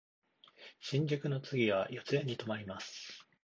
新宿の次は四谷に止まります。